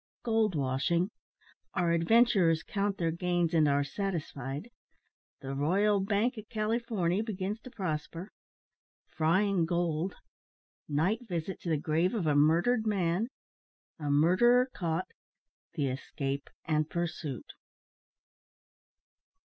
GOLD WASHING OUR ADVENTURERS COUNT THEIR GAINS, AND ARE SATISFIED THE "R'YAL BANK O' CALYFORNY" BEGINS TO PROSPER FRYING GOLD NIGHT VISIT TO THE GRAVE OF A MURDERED MAN A MURDERER CAUGHT THE ESCAPE AND PURSUIT.